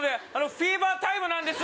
フィーバータイムなんです。